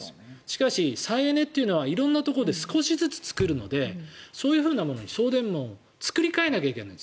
しかし、再エネは色んなところで少しずつ作るのでそういうふうなものに送電網を作り替えなきゃいけない。